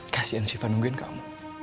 kasian syifa nungguin kamu